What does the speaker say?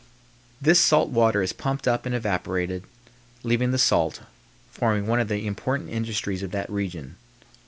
This salt water is pumped up and evaporated, leaving the salt forming one of the important industries of that region.